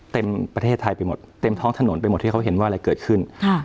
เต็มประเทศไทยไปหมดเต็มท้องถนนไปหมดที่เขาเห็นว่าอะไรเกิดขึ้น